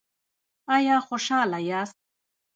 ایا خوشحاله یاست؟